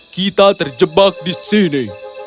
kita terjebak di sini